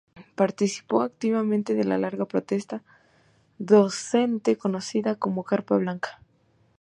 Participó activamente de la larga protesta docente conocida como Carpa Blanca.